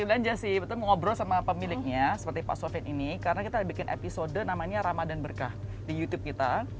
belanja sih betul ngobrol sama pemiliknya seperti pak sofian ini karena kita bikin episode namanya ramadan berkah di youtube kita